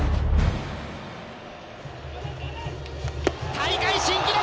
大会新記録！